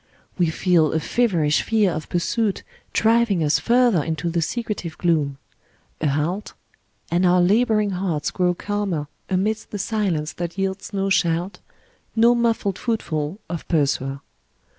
We feel a feverish fear of pursuit driving us further into the secretive gloom. A haltŌĆö and our labouring hearts grow calmer amidst the silence that yields no shout, no muffled footfall of pursuer.